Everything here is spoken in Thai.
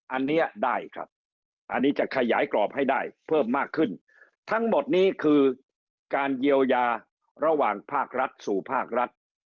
อันนี้ได้ครับอันนี้จะขยายกรอบให้ได้เพิ่มมากขึ้นทั้งหมดนี้คือการเยียวยาระหว่างภาครัฐสู่ภาครัฐ